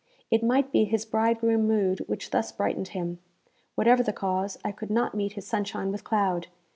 It might be his bridegroom mood which thus brightened him. Whatever the cause, I could not meet his sunshine with cloud.